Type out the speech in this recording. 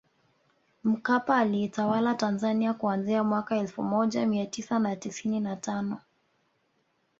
Mkapa aliitawala Tanzania kuanzia mwaka elfu moja mia tisa na tisini na tano